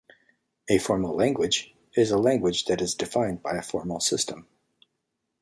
A formal language is a language that is defined by a formal system.